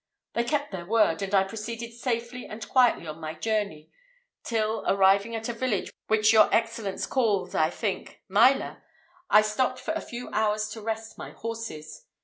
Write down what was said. They kept their word; and I proceeded safely and quietly on my journey, till, arriving at a village which your Excellence calls, I think, Meila, I stopped for a few hours to rest my horses.